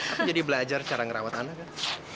aku jadi belajar cara ngerawat anak gak